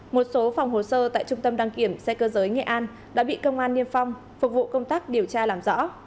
một số phòng hồ sơ tại trung tâm đăng kiểm xe cơ giới nghệ an đã bị công an niêm phong phục vụ công tác điều tra làm rõ